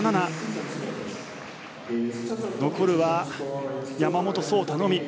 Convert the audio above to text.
残るは山本草太のみ。